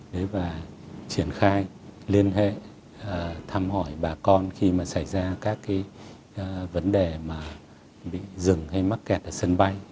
để triển khai liên hệ thăm hỏi bà con khi mà xảy ra các vấn đề mà bị dừng hay mắc kẹt ở sân bay